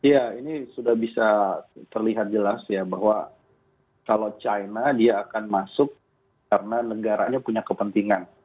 ya ini sudah bisa terlihat jelas ya bahwa kalau china dia akan masuk karena negaranya punya kepentingan